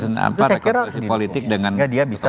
itu saya kira dia bisa